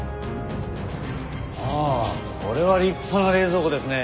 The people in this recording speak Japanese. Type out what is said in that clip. ああこれは立派な冷蔵庫ですね。